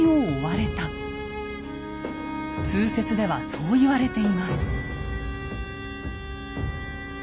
通説ではそう言われています。